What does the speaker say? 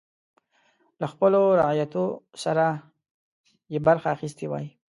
له خپلو رعیتو سره یې برخه اخیستې وای.